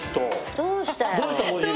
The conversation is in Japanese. どうしたよ。